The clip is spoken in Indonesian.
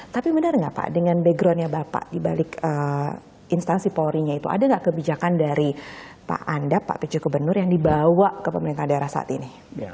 tapi benar nggak pak dengan backgroundnya bapak dibalik instansi polri nya itu ada nggak kebijakan dari pak anda pak pj gubernur yang dibawa ke pemerintah daerah saat ini